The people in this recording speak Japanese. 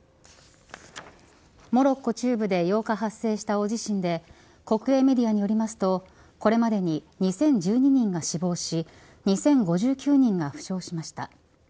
モロッコ中部で８日発生した大地震で国営メディアによりますとこれまでに２０１２人が死亡し２０５９人が負傷しました。